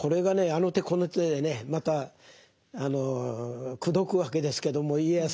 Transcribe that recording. あの手この手でねまた口説くわけですけども家康を。